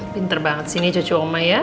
pinter banget sih ini cucu oma ya